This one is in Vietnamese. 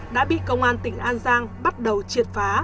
đã bị công an tỉnh an giang bắt đầu triệt phá